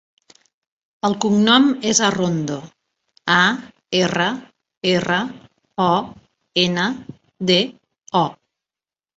El cognom és Arrondo: a, erra, erra, o, ena, de, o.